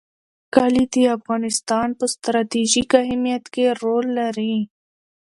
کلي د افغانستان په ستراتیژیک اهمیت کې رول لري.